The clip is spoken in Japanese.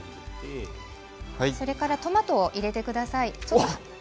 それからトマトを入れてください。